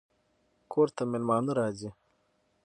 کور ته مېلمانه راځي